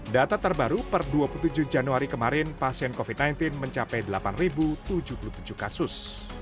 data terbaru per dua puluh tujuh januari kemarin pasien covid sembilan belas mencapai delapan tujuh puluh tujuh kasus